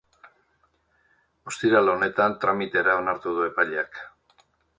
Ostiral honetan tramitera onartu du epaileak.